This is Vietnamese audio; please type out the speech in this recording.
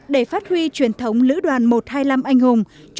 để phát huy truyền thống lữ đoàn một trăm hai mươi năm anh hùng